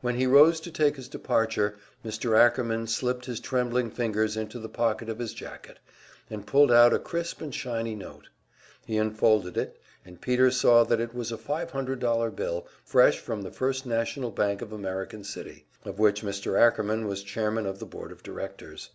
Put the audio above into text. When he rose to take his departure, Mr. Ackerman slipped his trembling fingers into the pocket of his jacket, and pulled out a crisp and shiny note. He unfolded it, and Peter saw that it was a five hundred dollar bill, fresh from the First National Bank of American City, of which Mr. Ackerman was chairman of the board of directors.